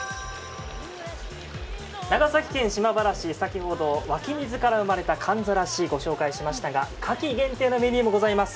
長崎県島原市、先ほど湧き水から生まれたかんざらしご紹介しましたが夏季限定のメニューもございます。